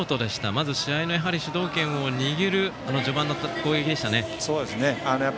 まず、試合の主導権を握る序盤の攻撃でしたね。